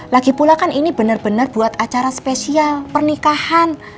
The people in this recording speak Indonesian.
lagipula kan ini benar benar buat acara spesial pernikahan